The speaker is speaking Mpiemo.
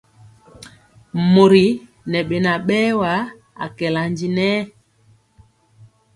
Mori ŋɛ beŋa berwa, akɛla ndi nɛ.